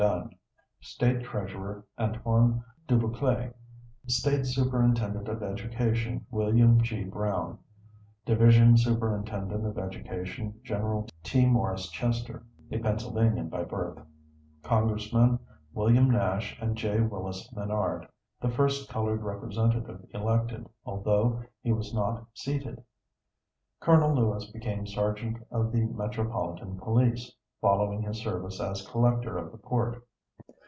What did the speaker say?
Dunn, State Treasurer Antoine Dubuclet, State Superintendent of Education Wm. G. Brown, Division Superintendent of Education Gen. T. Morris Chester, a Pennsylvanian by birth, congressmen, William Nash, and J. Willis Menard, the first colored representative elected, although he was not seated. Col. Lewis became Sergeant of the Metropolitan Police, following his service as Collector of the Port.